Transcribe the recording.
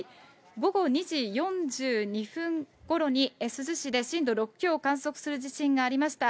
午後２時４２分ごろに珠洲市で震度６強を観測する地震がありました。